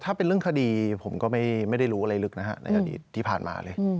ถ้าเป็นเรื่องคดีผมก็ไม่ได้รู้อะไรลึกนะฮะในอดีตที่ผ่านมาเลย